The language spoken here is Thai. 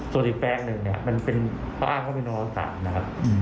ตัวอีกแปลงนึงเนี่ยมันเป็นป้างว่าเป็นอัลภาษานะครับ